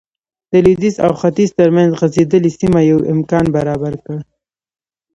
د لوېدیځ او ختیځ ترمنځ غځېدلې سیمه یو امکان برابر کړ.